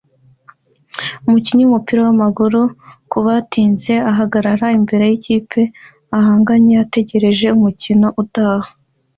Umukinnyi wumupira wamaguru kubatinze ahagarara imbere yikipe ihanganye ategereje umukino utaha